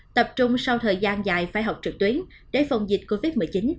tập trung sau thời gian dài phải học trực tuyến để phòng dịch covid một mươi chín